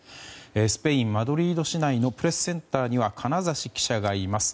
スペイン・マドリード市内のプレスセンターには金指記者がいます。